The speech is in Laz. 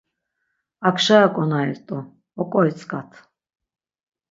Akşara ǩonari rt̆u, oǩoitzǩat.